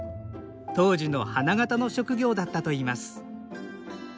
当時の花形の職業だったといいます。